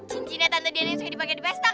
cincinnya tante diana yang suka dipake di pesta kan